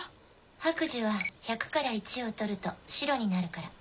白寿は「百」から「一」を取ると「白」になるから。